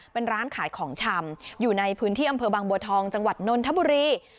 เป็นร้านขายของชำอยู่ในพื้นที่อำเภอบางบัวทองจังหวัดนนทบุรี